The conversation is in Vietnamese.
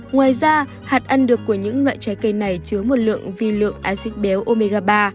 ngoài ra hạt ăn được của những loại trái cây này chứa một lượng vi lượng icd béo omega ba